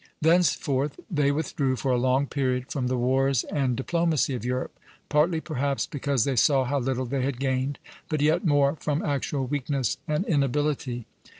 Thenceforth they withdrew for a long period from the wars and diplomacy of Europe; partly, perhaps, because they saw how little they had gained, but yet more from actual weakness and inability.